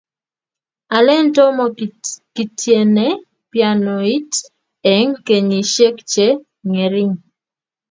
alen tomo kitiene pianoit eng kenyishek che ng'ering